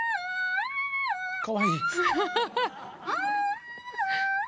かわいい。